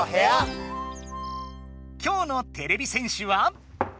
きょうのてれび戦士は。